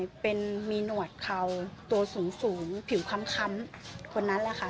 เป็นมีหนวดเข่าตัวสูงผิวค้ำคนนั้นแหละค่ะ